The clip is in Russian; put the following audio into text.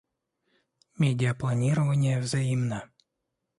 Медиапланирование взаимно.